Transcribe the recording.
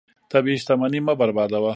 طبیعي شتمنۍ مه بربادوه.